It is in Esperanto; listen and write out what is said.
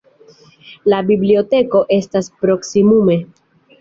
La biblioteko estas proksimume.